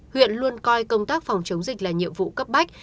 huyện luôn coi công tác phòng chống dịch là nhiệm vụ cấp bách